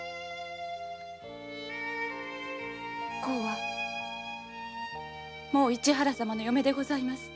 「こう」はもう市原様の嫁でございます。